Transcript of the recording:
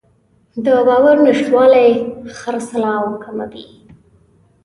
د باور نشتوالی خرڅلاو کموي.